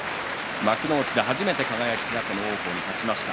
幕内で初めて輝が王鵬に勝ちました。